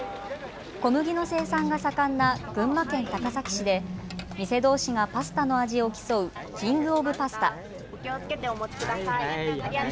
小麦の生産が盛んな群馬県高崎市で店どうしがパスタの味を競うキングオブパスタ。